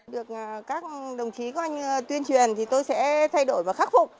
được các đồng chí các anh tuyên truyền thì tôi sẽ thay đổi và khắc phục